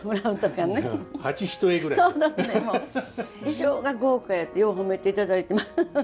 衣装が豪華やてよう褒めていただいてます。